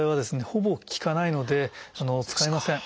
ほぼ効かないので使いません。